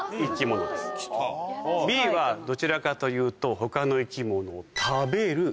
Ｂはどちらかというと他の生き物を。